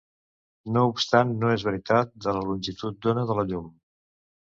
No obstant, no és veritat de la longitud d'ona de la llum.